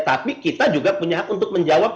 tapi kita juga punya hak untuk menjawab